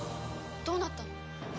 どうなったの？